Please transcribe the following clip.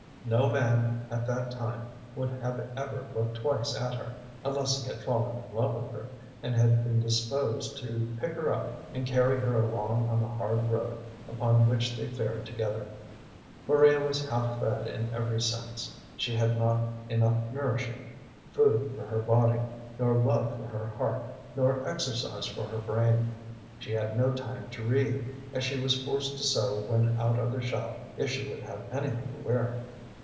No man at that time would have ever looked twice at her, unless he had fallen in love with her, and had been disposed to pick her up and carry her along on the hard road upon which they fared together. Maria was half fed in every sense; she had not enough nourishing food for her body, nor love for her heart, nor exercise for her brain. She had no time to read, as she was forced to sew when out of the shop if she would have anything to wear.